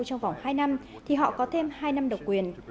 trong vòng hai năm thì họ có thêm hai năm độc quyền